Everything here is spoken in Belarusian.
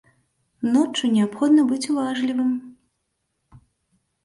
Ноччу неабходна быць уважлівым.